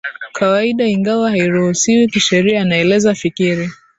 kawaida ingawa hairuhusiwi kisheria anaeleza Fikiri